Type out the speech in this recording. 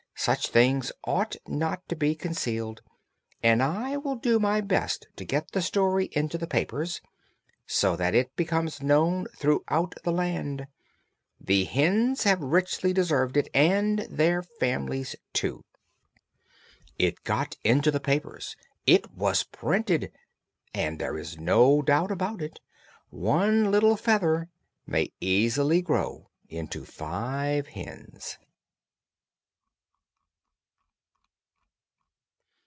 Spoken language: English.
Such things ought not to be concealed, and I will do my best to get the story into the papers, so that it becomes known throughout the land; the hens have richly deserved it, and their family too." It got into the papers, it was printed; and there is no doubt about it, one little feather may easily grow into five hens.